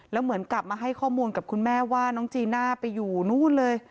แล้วเหมือนกลับมาให้ข้อมูลกับคุณแม่ว่าน้องจีน่าไปอยู่นู่นเลย